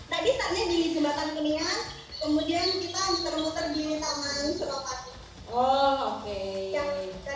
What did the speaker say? tadi saatnya di jembatan kurnia kemudian kita terlutur di taman